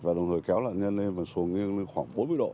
và đồng thời kéo lạnh nhân lên và xuồng nghiêng đi khoảng bốn mươi độ